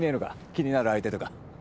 気になる相手とか